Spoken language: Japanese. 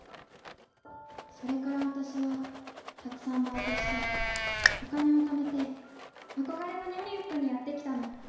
それからわたしはたくさんバイトしておかねをためてあこがれのニャリウッドにやってきたの。